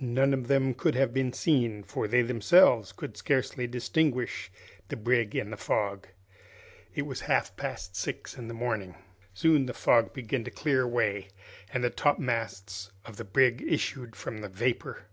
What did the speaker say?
None of them could have been seen, for they themselves could scarcely distinguish the brig in the fog. It was half past six in the morning. Soon the fog began to clear away, and the topmasts of the brig issued from the vapor.